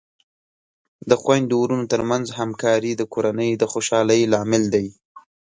د خویندو ورونو ترمنځ همکاري د کورنۍ د خوشحالۍ لامل دی.